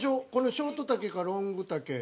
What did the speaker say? ショート丈かロング丈。